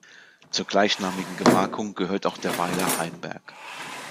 Zur gleichnamigen Gemarkung gehört auch der Weiler Heimberg.